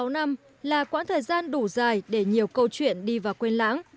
sáu năm là khoảng thời gian đủ dài để nhiều câu chuyện đi vào quên lãng